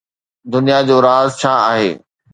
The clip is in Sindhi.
دنيا جو راز ڇا آهي؟